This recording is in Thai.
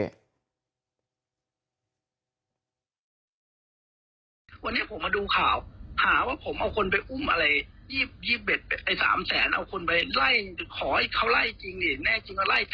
หวัดวันนี้ผมมาดูข่าวพอผมเอาคนเป็นเอาเอาต่างต่างเอา